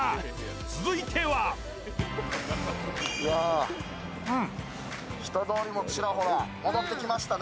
続いては人通りもちらほら戻ってきましたね。